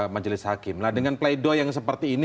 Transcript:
majelis hakim nah dengan play doh yang seperti ini